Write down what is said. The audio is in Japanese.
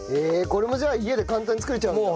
これもじゃあ家で簡単に作れちゃうんだ。